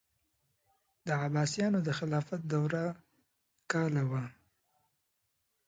د عباسیانو د خلافت دوره کاله وه.